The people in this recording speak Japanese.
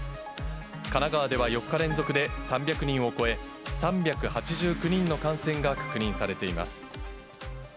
神奈川では４日連続で３００人を超え、３８９人の感染が確認されています。